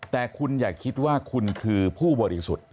แต่คุณอย่าคิดว่าคุณคือผู้บริสุทธิ์